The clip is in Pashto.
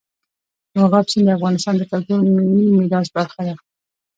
مورغاب سیند د افغانستان د کلتوري میراث برخه ده.